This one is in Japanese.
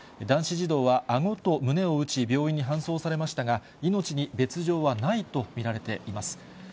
男子児童はあごと胸を打ち、病院に搬送されましたが、命に別状はないと見られています。